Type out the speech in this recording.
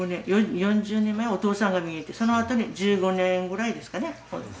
４０年前お父さんが見えてそのあとに１５年ぐらいですかね息子さん。